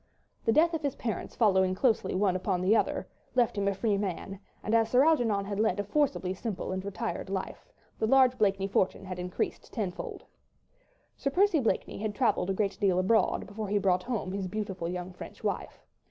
The death of his parents following close upon one another left him a free man, and as Sir Algernon had led a forcibly simple and retired life, the large Blakeney fortune had increased tenfold. Sir Percy Blakeney had travelled a great deal abroad, before he brought home his beautiful, young, French wife.